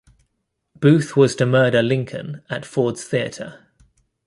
Booth was to murder Lincoln at Ford's Theatre.